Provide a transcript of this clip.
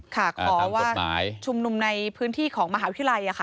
ขอว่าชุมนุมในพื้นที่ของมหาวิทยาลัยค่ะ